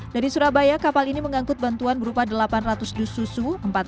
dari surabaya kapal ini mengangkut bantuan berupa delapan ratus dus susu